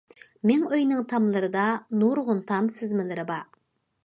مىڭئۆينىڭ تاملىرىدا نۇرغۇن تام سىزمىلىرى بار.